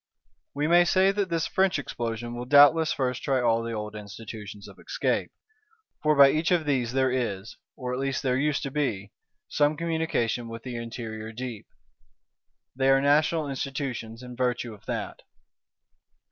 We may say that this French Explosion will doubtless first try all the old Institutions of escape; for by each of these there is, or at least there used to be, some communication with the interior deep; they are national Institutions in virtue of that.